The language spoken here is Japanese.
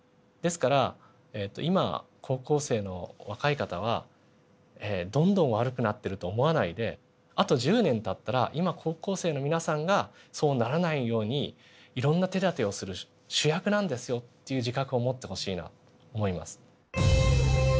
ですから今高校生の若い方はどんどん悪くなってると思わないであと１０年たったら今高校生の皆さんがそうならないようにいろんな手だてをする主役なんですよっていう自覚を持ってほしいなと思います。